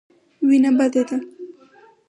وېنه بده ده.